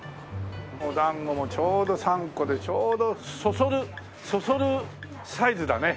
おだんごもちょうど３個でちょうどそそるそそるサイズだね。